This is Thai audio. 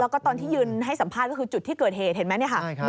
แล้วก็ตอนที่ยืนให้สัมภาษณ์ก็คือจุดที่เกิดเหตุเห็นไหมเนี่ยค่ะ